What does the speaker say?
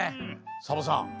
サボさん